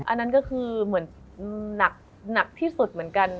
อันนั้นก็คือเหมือนหนักที่สุดเหมือนกัน